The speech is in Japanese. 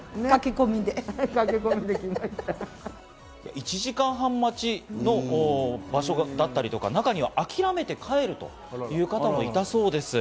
１時間半待ちの場所だったりとか、中には諦めて帰るという方もいたそうです。